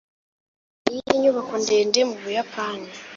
Niyihe nyubako ndende mu Buyapani?